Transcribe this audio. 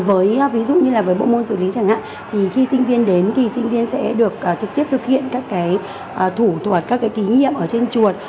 với ví dụ như là với bộ môn xử lý chẳng hạn thì khi sinh viên đến thì sinh viên sẽ được trực tiếp thực hiện các cái thủ thuật các cái thí nghiệm ở trên chuồn